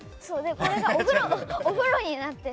これがお風呂になってる。